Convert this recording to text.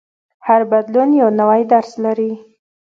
هر بدلون یو نوی درس لري.